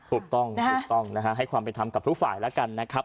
ถูกต้องให้ความเป็นธรรมกับทุกฝ่ายแล้วกันนะครับ